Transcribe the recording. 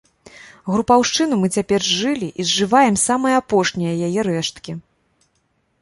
Групаўшчыну мы цяпер зжылі і зжываем самыя апошнія яе рэшткі.